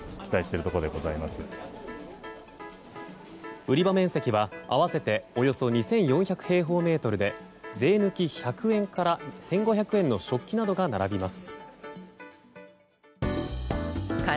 売り場面積は合わせておよそ２４００平方メートルで税抜き１００円から１５００円の食器などが並びます。